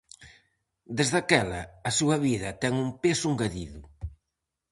Desde aquela, a súa vida ten un peso engadido.